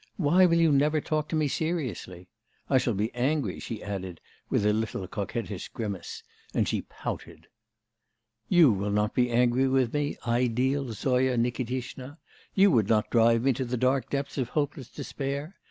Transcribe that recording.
'Why will you never talk to me seriously? I shall be angry,' she added with a little coquettish grimace, and she pouted. 'You will not be angry with me, ideal Zoya Nikitishna; you would not drive me to the dark depths of hopeless despair.